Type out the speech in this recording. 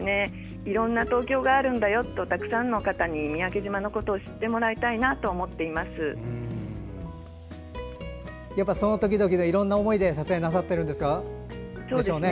いろんな東京があるんだよとたくさんの方に三宅島のことを知ってもらいたいなとその時々でいろんな思いで撮影なさってるんでしょうね。